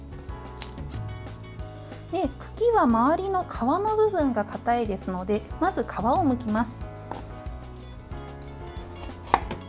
茎は周りの皮の部分がかたいですのでまず、皮をむきます。